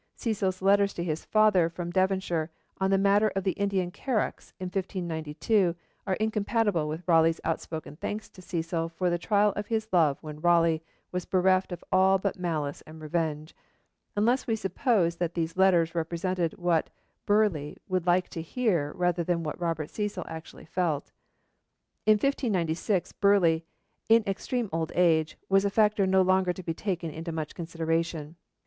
Cecil's letters to his father from Devonshire on the matter of the Indian carracks in 1592 are incompatible with Raleigh's outspoken thanks to Cecil for the trial of his love when Raleigh was bereft of all but malice and revenge, unless we suppose that these letters represented what Burghley would like to hear rather than what Robert Cecil actually felt. In 1596 Burghley, in extreme old age, was a factor no longer to be taken into much consideration.